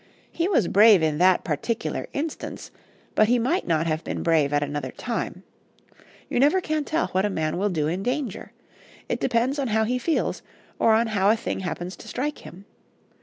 "He was brave in that particular instance, but he might not have been brave at another time. You never can tell what a man will do in danger. It depends on how he feels or on how a thing happens to strike him.